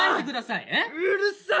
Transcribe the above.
「うるさっ！」